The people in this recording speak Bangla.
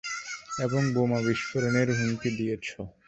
এবং বোমা বিস্ফোরণের হুমকি দিয়েছ।